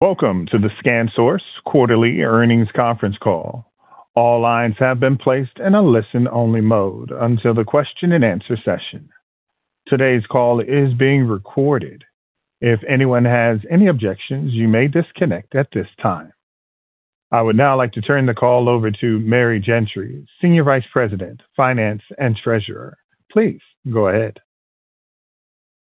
Welcome to the ScanSource quarterly earnings conference call. All lines have been placed in a listen-only mode until the question-and-answer session. Today's call is being recorded. If anyone has any objections, you may disconnect at this time. I would now like to turn the call over to Mary Gentry, Senior Vice President, Finance and Treasurer. Please go ahead.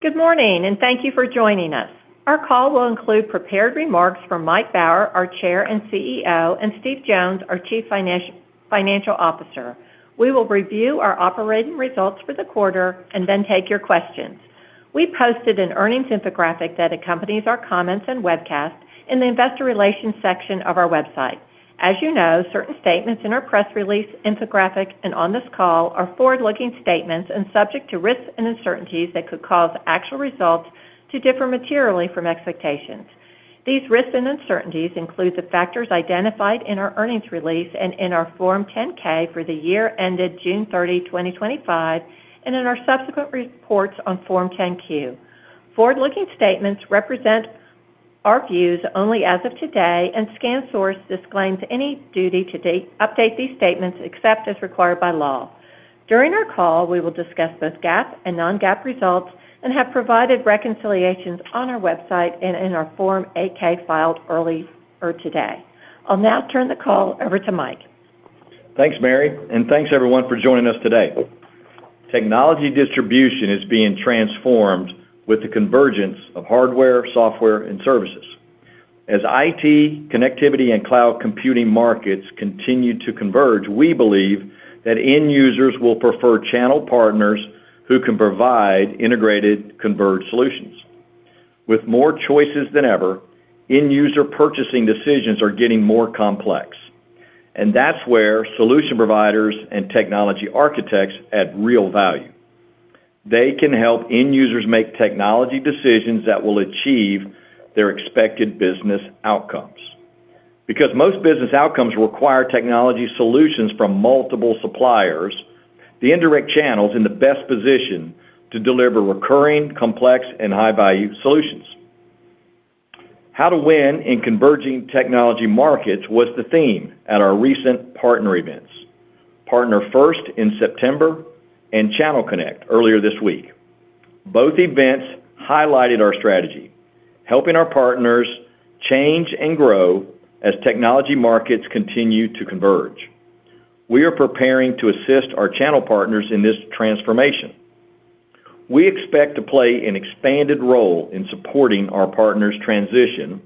Good morning, and thank you for joining us. Our call will include prepared remarks from Mike Baur, our Chair and CEO, and Steve Jones, our Chief Financial Officer. We will review our operating results for the quarter and then take your questions. We posted an earnings infographic that accompanies our comments and webcast in the investor relations section of our website. As you know, certain statements in our press release, infographic, and on this call are forward-looking statements and subject to risks and uncertainties that could cause actual results to differ materially from expectations. These risks and uncertainties include the factors identified in our earnings release and in our Form 10-K for the year ended June 30, 2025, and in our subsequent reports on Form 10-Q. Forward-looking statements represent our views only as of today, and ScanSource disclaims any duty to update these statements except as required by law. During our call, we will discuss both GAAP and non-GAAP results and have provided reconciliations on our website and in our Form 8-K filed early today. I'll now turn the call over to Mike. Thanks, Mary, and thanks, everyone, for joining us today. Technology distribution is being transformed with the convergence of hardware, software, and services. As IT, connectivity, and cloud computing markets continue to converge, we believe that end users will prefer channel partners who can provide integrated converged solutions. With more choices than ever, end user purchasing decisions are getting more complex. That is where solution providers and technology architects add real value. They can help end users make technology decisions that will achieve their expected business outcomes. Because most business outcomes require technology solutions from multiple suppliers, the indirect channel is in the best position to deliver recurring, complex, and high-value solutions. How to win in converging technology markets was the theme at our recent partner events, Partner First in September. Channel Connect earlier this week. Both events highlighted our strategy, helping our partners change and grow as technology markets continue to converge. We are preparing to assist our channel partners in this transformation. We expect to play an expanded role in supporting our partners' transition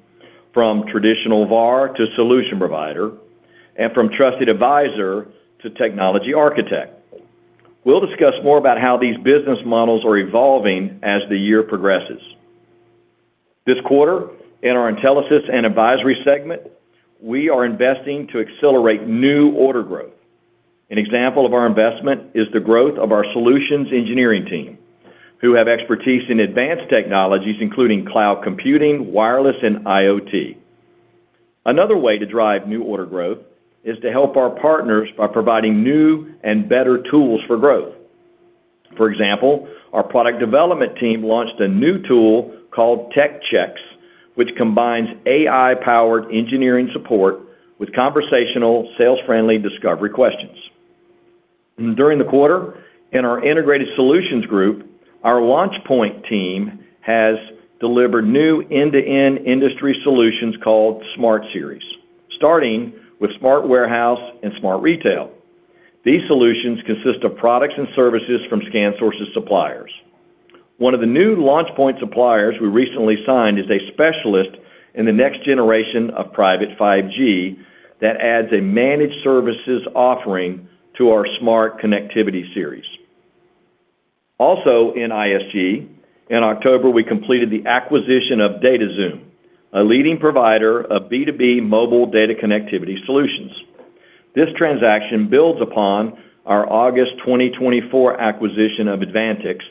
from traditional VAR to solution provider and from trusted advisor to technology architect. We'll discuss more about how these business models are evolving as the year progresses. This quarter, in our Intellisys and advisory segment, we are investing to accelerate new order growth. An example of our investment is the growth of our solutions engineering team, who have expertise in advanced technologies including cloud computing, wireless, and IoT. Another way to drive new order growth is to help our partners by providing new and better tools for growth. For example, our product development team launched a new tool called Tech Checks, which combines AI-powered engineering support with conversational, sales-friendly discovery questions. During the quarter, in our Integrated Solutions Group, our Launch Point Team has delivered new end-to-end industry solutions called Smart Series, starting with Smart Warehouse and Smart Retail. These solutions consist of products and services from ScanSource's suppliers. One of the new Launch Point suppliers we recently signed is a specialist in the next generation of private 5G that adds a managed services offering to our Smart Connectivity Series. Also, in ISG, in October, we completed the acquisition of DataXoom, a leading provider of B2B mobile data connectivity solutions. This transaction builds upon our August 2024 acquisition of Advantix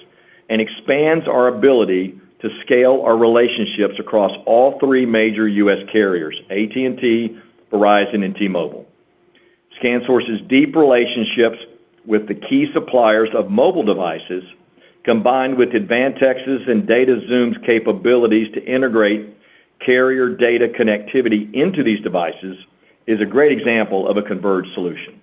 and expands our ability to scale our relationships across all three major U.S. carriers: AT&T, Verizon, and T-Mobile. ScanSource's deep relationships with the key suppliers of mobile devices, combined with Advantix's and DataXoom's capabilities to integrate carrier data connectivity into these devices, is a great example of a converged solution.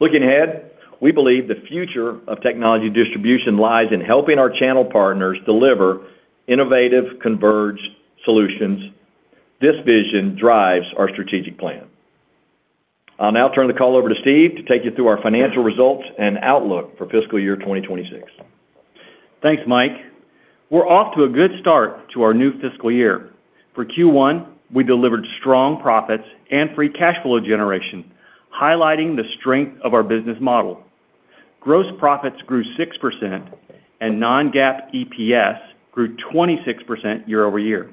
Looking ahead, we believe the future of technology distribution lies in helping our channel partners deliver innovative converged solutions. This vision drives our strategic plan. I'll now turn the call over to Steve to take you through our financial results and outlook for fiscal year 2026. Thanks, Mike. We're off to a good start to our new fiscal year. For Q1, we delivered strong profits and Free Cash Flow generation, highlighting the strength of our business model. Gross profits grew 6%, and non-GAAP EPS grew 26% year-over-year.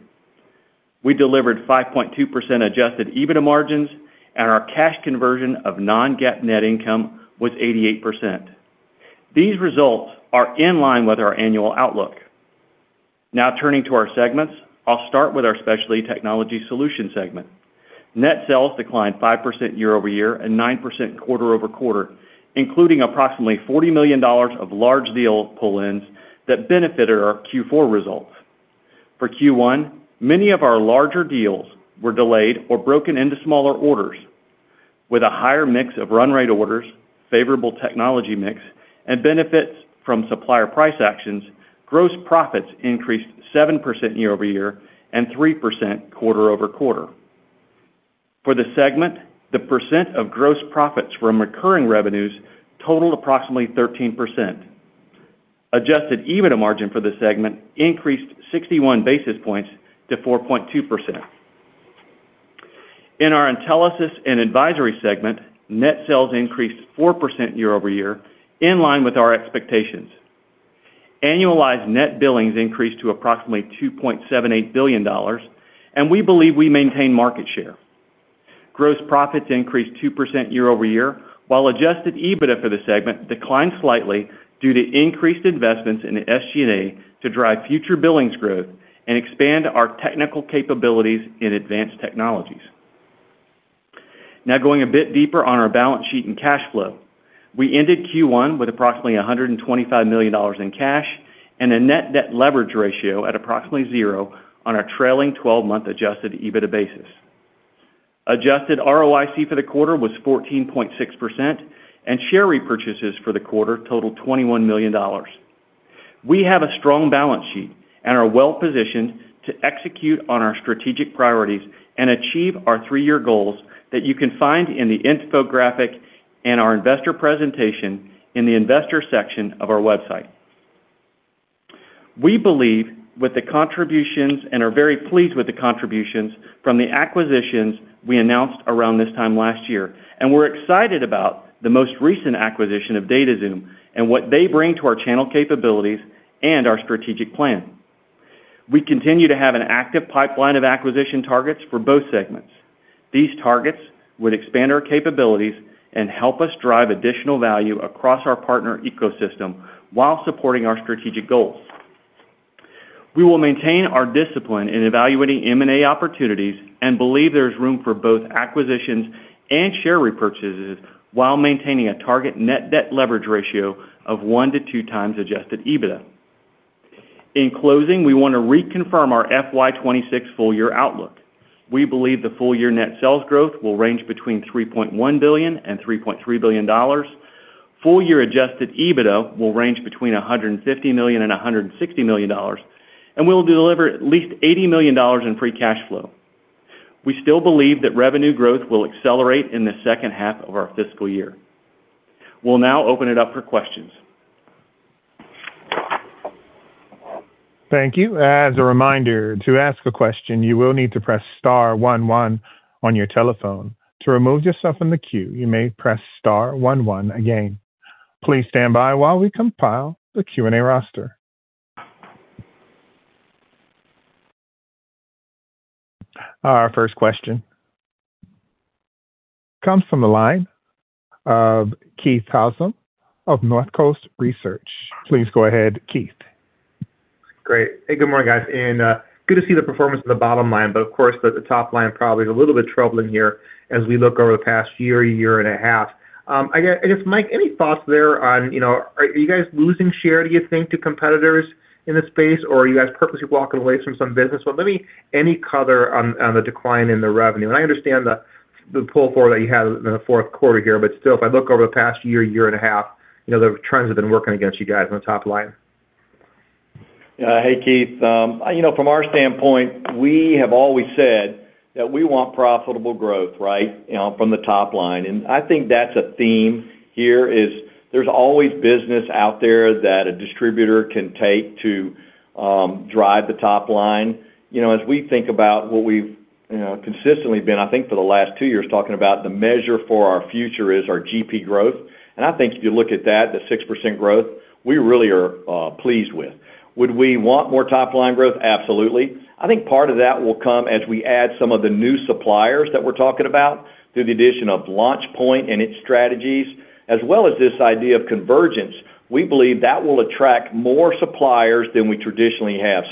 We delivered 5.2% Adjusted EBITDA margins, and our cash conversion of non-GAAP net income was 88%. These results are in line with our annual outlook. Now, turning to our segments, I'll start with our specialty technology solutions segment. Net sales declined 5% year-over-year and 9% quarter-over-quarter, including approximately $40 million of large deal pull-ins that benefited our Q4 results. For Q1, many of our larger deals were delayed or broken into smaller orders. With a higher mix of run rate orders, favorable technology mix, and benefits from supplier price actions, gross profits increased 7% year-over-year and 3% quarter-over-quarter. For the segment, the % of gross profits from recurring revenues totaled approximately 13%. Adjusted EBITDA margin for the segment increased 61 basis points to 4.2%. In our Intellisys and advisory segment, net sales increased 4% year-over-year, in line with our expectations. Annualized net billings increased to approximately $2.78 billion, and we believe we maintain market share. Gross profits increased 2% year-over-year, while Adjusted EBITDA for the segment declined slightly due to increased investments in the SG&A to drive future billings growth and expand our technical capabilities in advanced technologies. Now, going a bit deeper on our balance sheet and cash flow, we ended Q1 with approximately $125 million in cash and a net debt leverage ratio at approximately zero on our trailing 12-month Adjusted EBITDA basis. Adjusted ROIC for the quarter was 14.6%, and share repurchases for the quarter totaled $21 million. We have a strong balance sheet and are well-positioned to execute on our strategic priorities and achieve our three-year goals that you can find in the infographic and our investor presentation in the investor section of our website. We believe with the contributions and are very pleased with the contributions from the acquisitions we announced around this time last year, and we're excited about the most recent acquisition of DataXoom and what they bring to our channel capabilities and our strategic plan. We continue to have an active pipeline of acquisition targets for both segments. These targets would expand our capabilities and help us drive additional value across our partner ecosystem while supporting our strategic goals. We will maintain our discipline in evaluating M&A opportunities and believe there's room for both acquisitions and share repurchases while maintaining a target net debt leverage ratio of one to two times Adjusted EBITDA. In closing, we want to reconfirm our FY 2026 full-year outlook. We believe the full-year net sales growth will range between $3.1 billion and $3.3 billion. Full-year Adjusted EBITDA will range between $150 million and $160 million, and we'll deliver at least $80 million in Free Cash Flow. We still believe that revenue growth will accelerate in the second half of our fiscal year. We'll now open it up for questions. Thank you. As a reminder, to ask a question, you will need to press star one one on your telephone. To remove yourself from the queue, you may press star one one again. Please stand by while we compile the Q&A roster. Our first question comes from the line of Keith Housem of North Coast Research. Please go ahead, Keith. Great. Hey, good morning, guys. Good to see the performance of the bottom line, but of course, the top line probably is a little bit troubling here as we look over the past year, year and a half. I guess, Mike, any thoughts there on, are you guys losing share, do you think, to competitors in this space, or are you guys purposely walking away from some business? Maybe any color on the decline in the revenue? I understand the pull forward that you had in the fourth quarter here, but still, if I look over the past year, year and a half, the trends have been working against you guys on the top line. Hey, Keith. From our standpoint, we have always said that we want profitable growth, right, from the top line. I think that's a theme here is there's always business out there that a distributor can take to drive the top line. As we think about what we've consistently been, I think, for the last two years talking about, the measure for our future is our GP growth. I think if you look at that, the 6% growth, we really are pleased with. Would we want more top line growth? Absolutely. I think part of that will come as we add some of the new suppliers that we're talking about through the addition of Launch Point and its strategies, as well as this idea of convergence. We believe that will attract more suppliers than we traditionally have.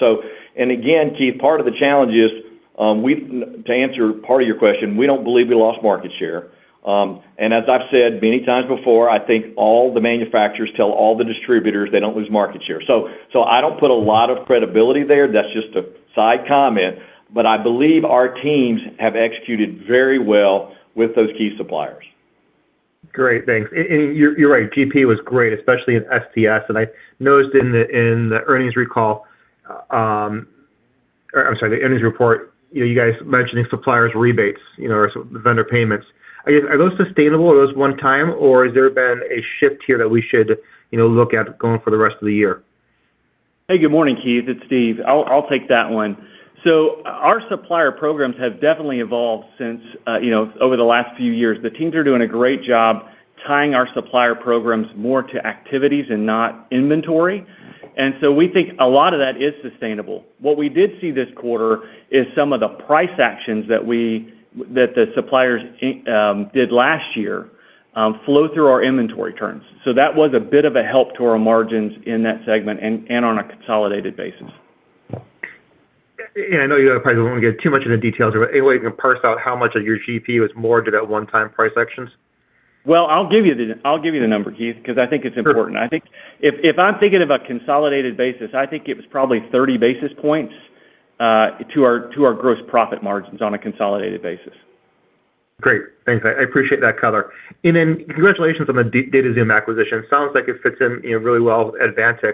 Part of the challenge is to answer part of your question, we don't believe we lost market share. As I've said many times before, I think all the manufacturers tell all the distributors they don't lose market share. I don't put a lot of credibility there. That's just a side comment. I believe our teams have executed very well with those key suppliers. Great. Thanks. You're right. GP was great, especially in STS. I noticed in the earnings report, you guys mentioning suppliers' rebates or vendor payments. I guess, are those sustainable? Are those one-time? Or has there been a shift here that we should look at going for the rest of the year? Hey, good morning, Keith. It's Steve. I'll take that one. Our supplier programs have definitely evolved over the last few years. The teams are doing a great job tying our supplier programs more to activities and not inventory. We think a lot of that is sustainable. What we did see this quarter is some of the price actions that the suppliers did last year flow through our inventory turns. That was a bit of a help to our margins in that segment and on a consolidated basis. Yeah. I know you probably don't want to get too much into details, but any way you can parse out how much of your GP was more to that one-time price actions? I'll give you the number, Keith, because I think it's important. I think if I'm thinking of a consolidated basis, I think it was probably 30 basis points to our gross profit margins on a consolidated basis. Great. Thanks. I appreciate that color. Congratulations on the DataXoom acquisition. Sounds like it fits in really well with Advantix.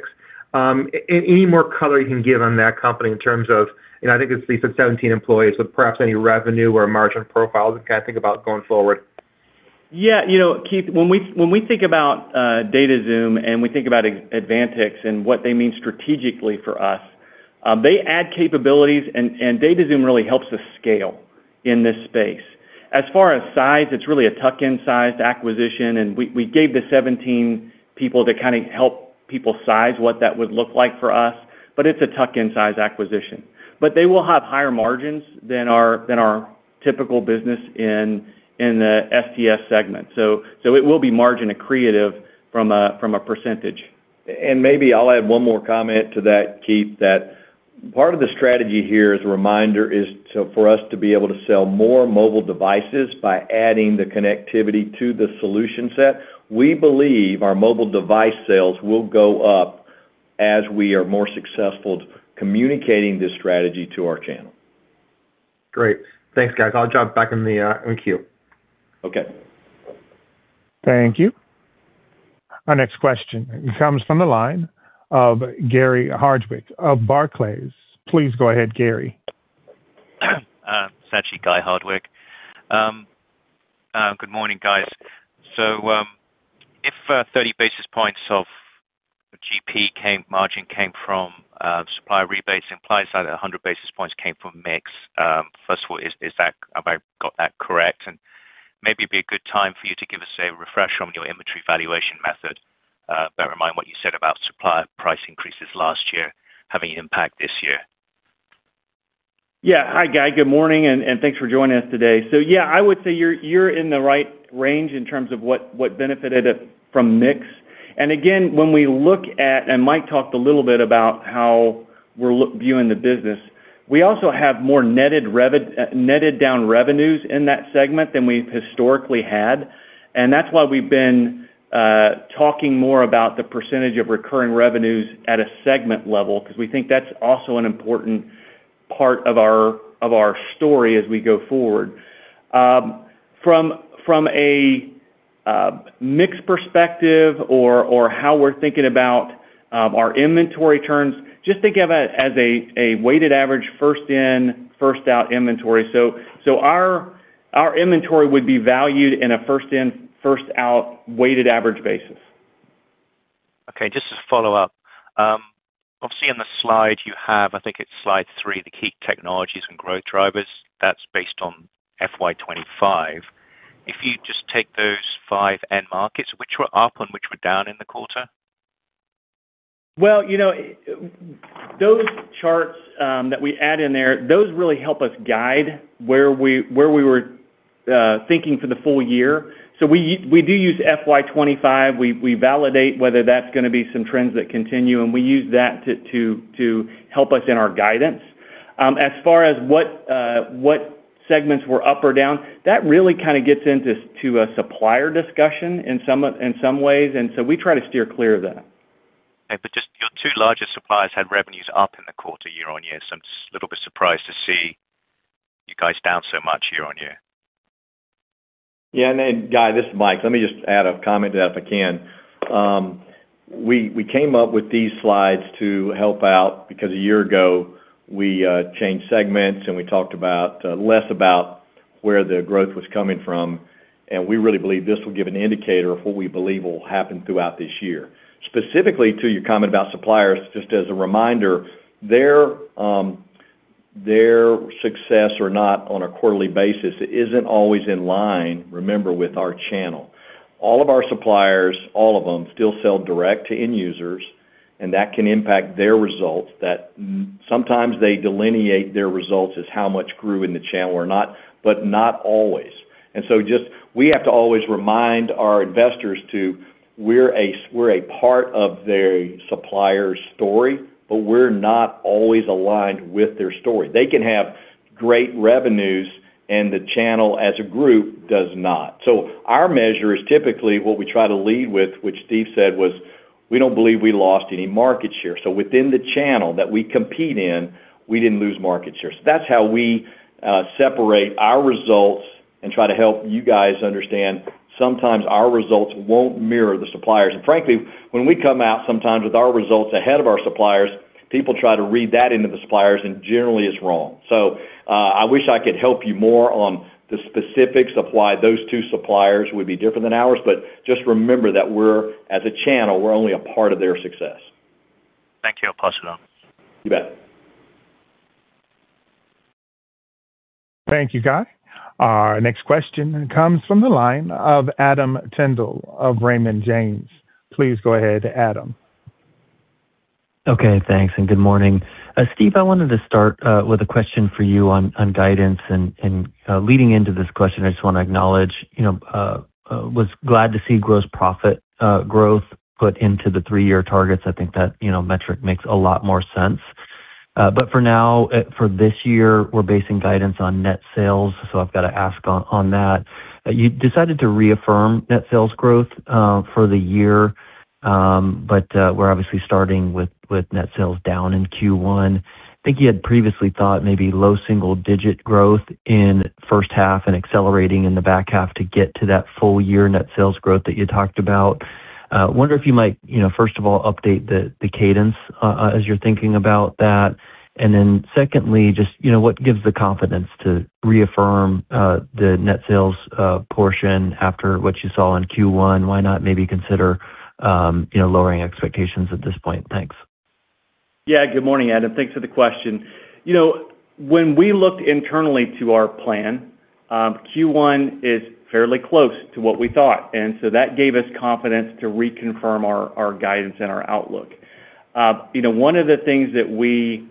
Any more color you can give on that company in terms of, I think it's at 17 employees, but perhaps any revenue or margin profile to kind of think about going forward? Yeah. Keith, when we think about DataXoom and we think about Advantix and what they mean strategically for us. They add capabilities, and DataXoom really helps us scale in this space. As far as size, it's really a tuck-in sized acquisition, and we gave the 17 people to kind of help people size what that would look like for us, but it's a tuck-in sized acquisition. They will have higher margins than our typical business in the STS segment. It will be margin accretive from a percentage. Maybe I'll add one more comment to that, Keith, that part of the strategy here is a reminder for us to be able to sell more mobile devices by adding the connectivity to the solution set. We believe our mobile device sales will go up as we are more successful communicating this strategy to our channel. Great. Thanks, guys. I'll jump back in the queue. Okay. Thank you. Our next question comes from the line of Gury Hardwick of Barclays. Please go ahead, Gury. It's Guy Hardwick. Good morning, guys. If 30 basis points of GP margin came from supplier rebates in place, 100 basis points came from mix. First of all, have I got that correct? Maybe it'd be a good time for you to give us a refresher on your inventory valuation method. Bear in mind what you said about supplier price increases last year having impact this year. Yeah. Hi, Guy. Good morning, and thanks for joining us today. Yeah, I would say you're in the right range in terms of what benefited it from mix. Again, when we look at, and Mike talked a little bit about how we're viewing the business, we also have more netted down revenues in that segment than we've historically had. That's why we've been talking more about the percentage of recurring revenues at a segment level because we think that's also an important part of our story as we go forward. From a mix perspective or how we're thinking about our inventory turns, just think of it as a weighted average first-in, first-out inventory. Our inventory would be valued in a first-in, first-out weighted average basis. Okay. Just to follow up. Obviously, on the slide, you have, I think it's slide three, the key technologies and growth drivers. That's based on FY 2025. If you just take those five end markets, which were up and which were down in the quarter? Those charts that we add in there, those really help us guide where we were thinking for the full year. We do use FY 2025. We validate whether that's going to be some trends that continue, and we use that to help us in our guidance. As far as what segments were up or down, that really kind of gets into a supplier discussion in some ways. We try to steer clear of that. Okay. But just your two largest suppliers had revenues up in the quarter year-on-year. So I'm just a little bit surprised to see you guys down so much year-on-year. Yeah. Guy, this is Mike. Let me just add a comment to that if I can. We came up with these slides to help out because a year ago, we changed segments and we talked less about where the growth was coming from. We really believe this will give an indicator of what we believe will happen throughout this year. Specifically to your comment about suppliers, just as a reminder, their success or not on a quarterly basis is not always in line, remember, with our channel. All of our suppliers, all of them, still sell direct to end users, and that can impact their results. Sometimes they delineate their results as how much grew in the channel or not, but not always. We have to always remind our investors, too. We are a part of their supplier story, but we are not always aligned with their story. They can have great revenues, and the channel as a group does not. Our measure is typically what we try to lead with, which Steve said was, "We don't believe we lost any market share." Within the channel that we compete in, we didn't lose market share. That is how we separate our results and try to help you guys understand sometimes our results won't mirror the suppliers. Frankly, when we come out sometimes with our results ahead of our suppliers, people try to read that into the suppliers, and generally, it's wrong. I wish I could help you more on the specifics of why those two suppliers would be different than ours, but just remember that we're, as a channel, we're only a part of their success. Thank you. I'll pass it on. You bet. Thank you, Guy. Our next question comes from the line of Adam Tendl of Raymond James. Please go ahead, Adam. Okay. Thanks. Good morning. Steve, I wanted to start with a question for you on guidance. Leading into this question, I just want to acknowledge I was glad to see gross profit growth put into the three-year targets. I think that metric makes a lot more sense. For now, for this year, we're basing guidance on net sales. I've got to ask on that. You decided to reaffirm net sales growth for the year, but we're obviously starting with net sales down in Q1. I think you had previously thought maybe low single-digit growth in the first half and accelerating in the back half to get to that full-year net sales growth that you talked about. I wonder if you might, first of all, update the cadence as you're thinking about that? Secondly, just what gives the confidence to reaffirm the net sales portion after what you saw in Q1? Why not maybe consider lowering expectations at this point? Thanks. Yeah. Good morning, Adam. Thanks for the question. When we looked internally to our plan, Q1 is fairly close to what we thought. That gave us confidence to reconfirm our guidance and our outlook. One of the things that we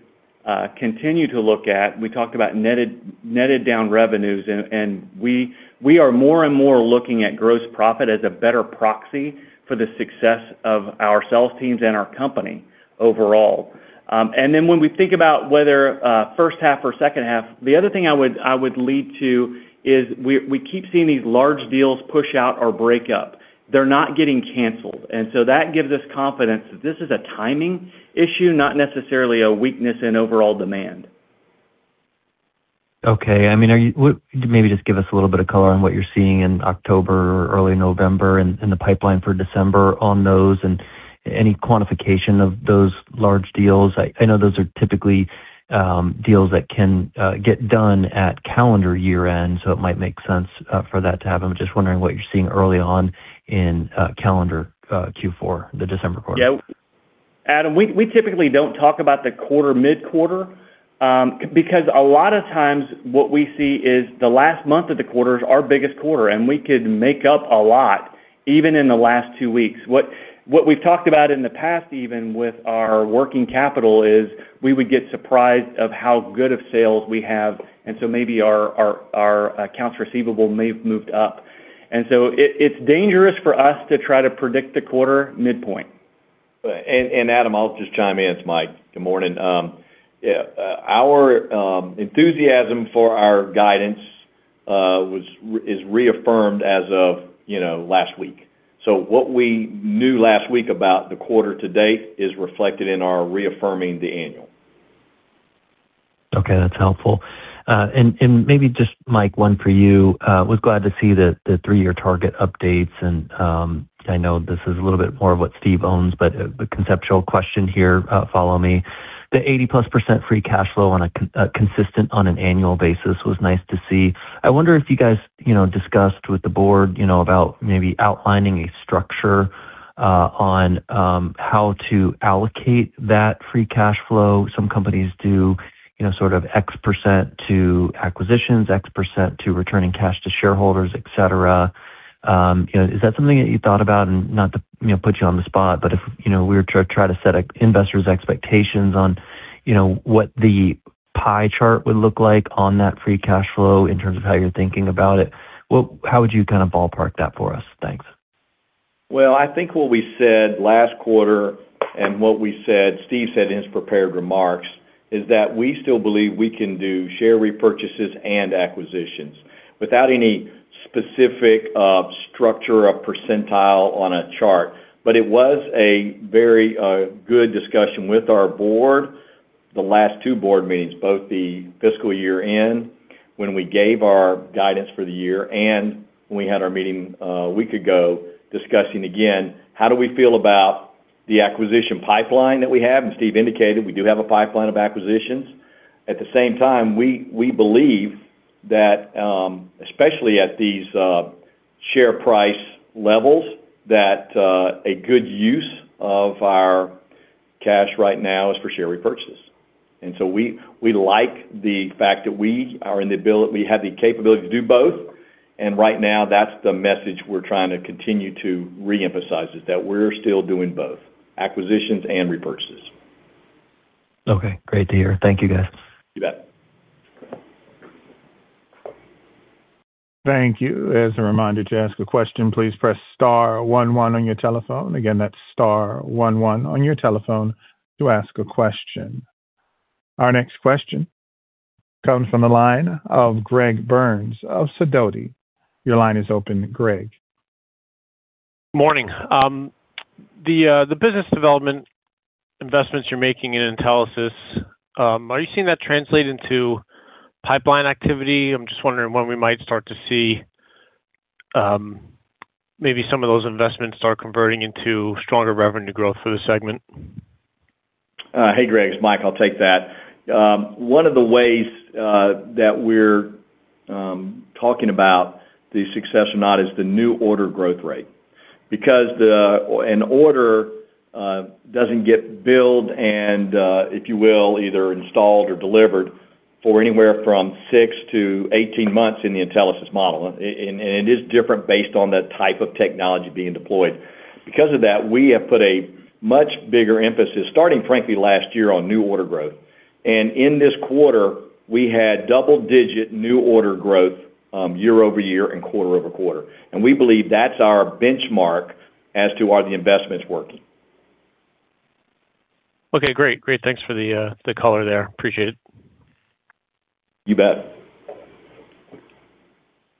continue to look at, we talked about netted down revenues, and we are more and more looking at gross profit as a better proxy for the success of our sales teams and our company overall. When we think about whether first half or second half, the other thing I would lead to is we keep seeing these large deals push out or break up. They're not getting canceled. That gives us confidence that this is a timing issue, not necessarily a weakness in overall demand. Okay. I mean, maybe just give us a little bit of color on what you're seeing in October or early November and the pipeline for December on those and any quantification of those large deals. I know those are typically deals that can get done at calendar year-end, so it might make sense for that to happen. I'm just wondering what you're seeing early on in calendar Q4, the December quarter. Yeah. Adam, we typically don't talk about the quarter mid-quarter. Because a lot of times what we see is the last month of the quarter is our biggest quarter, and we could make up a lot even in the last two weeks. What we've talked about in the past, even with our working capital, is we would get surprised of how good of sales we have. And so maybe our accounts receivable may have moved up. And so it's dangerous for us to try to predict the quarter midpoint. Adam, I'll just chime in as Mike. Good morning. Our enthusiasm for our guidance is reaffirmed as of last week. What we knew last week about the quarter to date is reflected in our reaffirming the annual. Okay. That's helpful. Maybe just Mike, one for you. I was glad to see the three-year target updates. I know this is a little bit more of what Steve owns, but the conceptual question here, follow me. The 80+% Free Cash Flow on a consistent on an annual basis was nice to see. I wonder if you guys discussed with the board about maybe outlining a structure on how to allocate that Free Cash Flow. Some companies do sort of X% to acquisitions, X% to returning cash to shareholders, etc. Is that something that you thought about and not to put you on the spot, but if we were to try to set investors' expectations on what the pie chart would look like on that Free Cash Flow in terms of how you're thinking about it, how would you kind of ballpark that for us? Thanks. I think what we said last quarter and what Steve said in his prepared remarks is that we still believe we can do share repurchases and acquisitions without any specific structure or percentile on a chart. It was a very good discussion with our board, the last two board meetings, both the fiscal year-end when we gave our guidance for the year and when we had our meeting a week ago discussing again how do we feel about the acquisition pipeline that we have. Steve indicated we do have a pipeline of acquisitions. At the same time, we believe that especially at these share price levels, that a good use of our cash right now is for share repurchases. We like the fact that we have the capability to do both. Right now, that's the message we're trying to continue to reemphasize is that we're still doing both, acquisitions and repurchases. Okay. Great to hear. Thank you, guys. You bet. Thank you. As a reminder, to ask a question, please press star one one on your telephone. Again, that's star one one on your telephone to ask a question. Our next question comes from the line of Greg Burns of Sidoti. Your line is open, Greg. Morning. The business development investments you're making in Intelisys, are you seeing that translate into pipeline activity? I'm just wondering when we might start to see maybe some of those investments start converting into stronger revenue growth for the segment? Hey, Greg. It's Mike. I'll take that. One of the ways that we're talking about the success or not is the new order growth rate. An order doesn't get billed and, if you will, either installed or delivered for anywhere from 6-18 months in the Intelisys model. It is different based on the type of technology being deployed. Because of that, we have put a much bigger emphasis, starting frankly last year, on new order growth. In this quarter, we had double-digit new order growth year-over-year and quarter-over-quarter. We believe that's our benchmark as to are the investments working. Okay. Great. Great. Thanks for the color there. Appreciate it. You bet.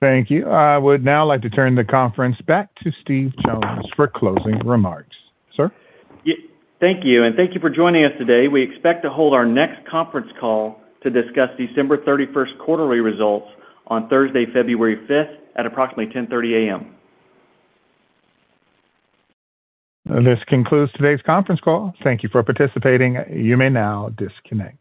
Thank you. I would now like to turn the conference back to Steve Jones for closing remarks. Sir? Thank you. Thank you for joining us today. We expect to hold our next conference call to discuss December 31 quarterly results on Thursday, February 5 at approximately 10:30 A.M. This concludes today's conference call. Thank you for participating. You may now disconnect.